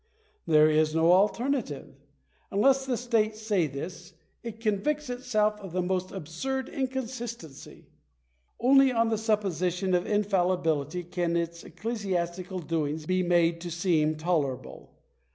There is no alternative. Unless the state says this, it convicts itself of the most absurd inconsistency. Only on the supposition of infallibility can its ecclesiastical doings be made to seem tolerable.